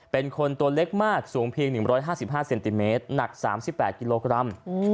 เป็นคนตัวเล็กมากสูงเพียง๑๕๕เซนติเมตรหนัก๓๘กิโลกรัม